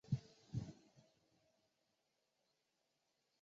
本页面列出明朝自明兴宗及明惠宗分封的藩王。